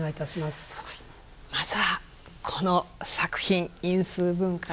まずはこの作品因数分解をね